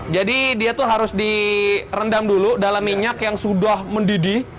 jadi dia itu harus direndam dulu dalam minyak yang sudah mendidih